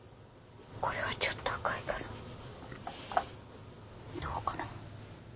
これはちょっと赤いからどうかな？